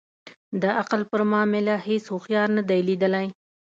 د عقل پر معامله هیڅ اوښیار نه دی لېدلی.